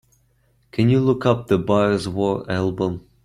Can you look up the Bireswar album?